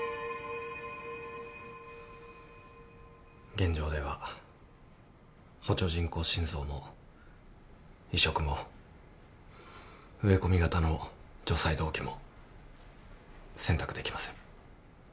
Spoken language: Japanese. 現状では補助人工心臓も移植も植え込み型の除細動器も選択できません。